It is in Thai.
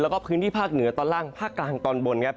แล้วก็พื้นที่ภาคเหนือตอนล่างภาคกลางตอนบนครับ